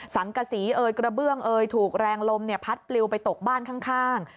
สังกษีเอ่ยกระเบื้องเอ่ยถูกแรงลมพัดปลิวไปตกบ้านข้าง